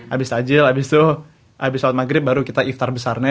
abis sholat maghrib baru kita iftar besarnya